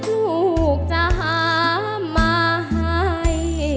ลูกจะหามาให้